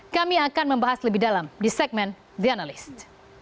kami akan membahas lebih dalam di segmen the analyst